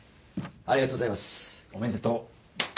ありがとうございます。